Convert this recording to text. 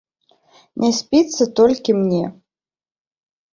Не спіцца толькі мне.